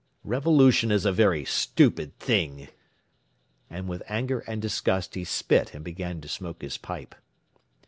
Revolution is a very stupid thing!" And with anger and disgust he spit and began to smoke his pipe.